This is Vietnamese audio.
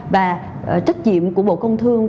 và trách nhiệm của bộ công thương